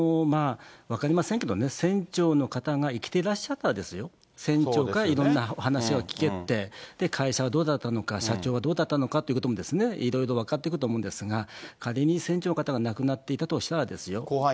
分かりませんけどね、船長の方が生きていらっしゃったらですよ、船長からいろんなお話を聞けて、会社はどうだったのか、社長はどうだったのかということも、いろいろ分かってくると思うんですが、仮に船長の方が亡くなっていたとしたらですよ。